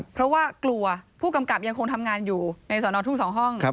เพราะว่ากลัวผู้กำกับยังคงทำงานอยู่ในสอนอทุ่ง๒ห้อง